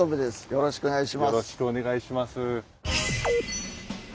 よろしくお願いします。